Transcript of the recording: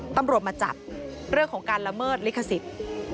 ตำรวจมาจับเรื่องของการละเมิดลิขสิทธิ์